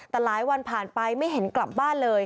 แต่หลายวันผ่านไปไม่เห็นกลับบ้านเลย